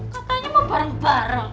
katanya mau bareng bareng